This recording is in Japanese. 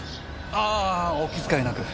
あぁお気遣いなく。